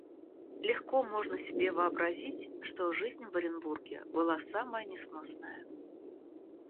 Легко можно себе вообразить, что жизнь в Оренбурге была самая несносная.